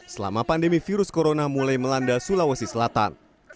selama pandemi virus corona mulai melanda sulawesi selatan